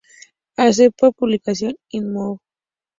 Accepted for publication in Monogr.